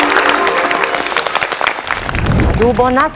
คุณฝนจากชายบรรยาย